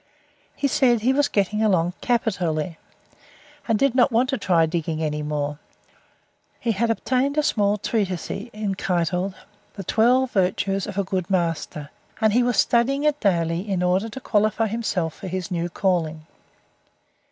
He said he was getting along capitally, and did not want to try digging any more. He had obtained a small treatise called "The Twelve Virtues of a Good Master," and he was studying it daily in order to qualify himself for his new calling.